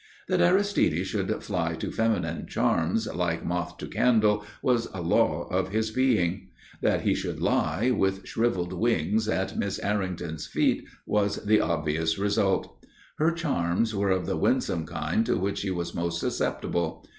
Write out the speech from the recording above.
That Aristide should fly to feminine charms, like moth to candle, was a law of his being; that he should lie, with shriveled wings, at Miss Errington's feet was the obvious result. Her charms were of the winsome kind to which he was most susceptible.